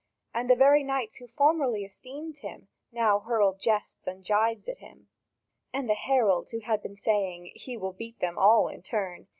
And the very knights who formerly esteemed him now hurled jests and jibes at him. And the herald who had been saying: "He will beat them all in turn!"